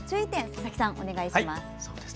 佐々木さん、お願いします。